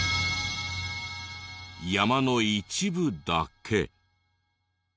山の一部だけ。